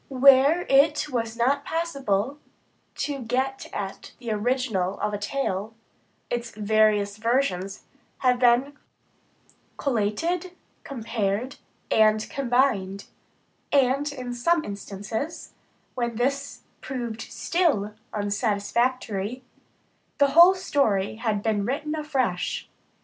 Where it was not possible to get at the original of a tale, its various versions have been collated, compared, and combined; and in some instances, when this proved still unsatisfactory, the whole story has been written afresh.